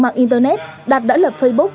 mạng internet đạt đã lập facebook